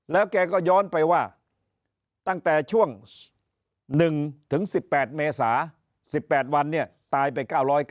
แล้วแกก็ย้อนไปว่าตั้งแต่ช่วง๑๑๘เมษา๑๘วันเนี่ยตายไป๙๙